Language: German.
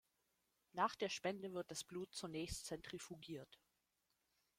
Nach der Spende wird das Blut zunächst zentrifugiert.